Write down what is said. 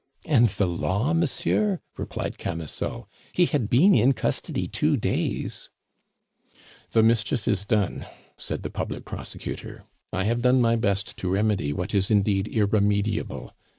"And the law, monsieur?" replied Camusot. "He had been in custody two days." "The mischief is done," said the public prosecutor. "I have done my best to remedy what is indeed irremediable.